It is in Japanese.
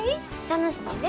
楽しいで。